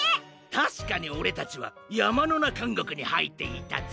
たしかにオレたちはやまのなかんごくにはいっていたぜ。